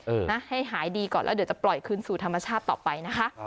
นะให้หายดีก่อนแล้วเดี๋ยวจะปล่อยคืนสู่ธรรมชาติต่อไปนะคะ